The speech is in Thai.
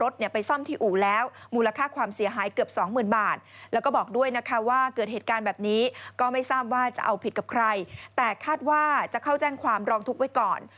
แต่คาดว่าจะเข้าแจ้งความร้องทุกข์ไว้ก่อน